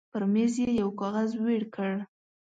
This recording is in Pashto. پر مېز يې يو کاغذ وېړ کړ.